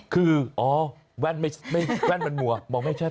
คืออ๋อแว่นมันมัวมองไม่ใช่